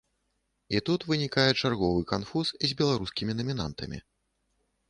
І тут вынікае чарговы канфуз з беларускімі намінантамі.